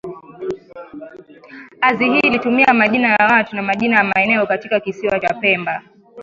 azi hii ilitumia majina ya watu na majina ya maeneo katika kisiwa cha Pemba